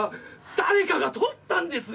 誰かがとったんですよ